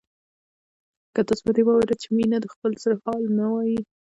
که تاسو په دې باور یاست چې مينه د خپل زړه حال نه وايي